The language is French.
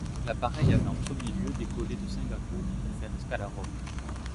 L'appareil avait en premier lieu décollé de Singapour pour faire escale à Rome.